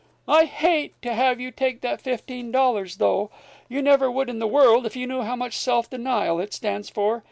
I hate to have you take that fifteen dollars, though. You never would in the world, if you knew how much self denial it stands for.